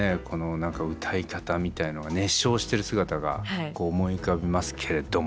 この何か歌い方みたいのが熱唱してる姿が思い浮かびますけれども。